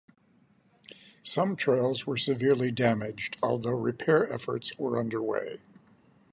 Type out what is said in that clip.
Some trails were severely damaged, although repair efforts were underway.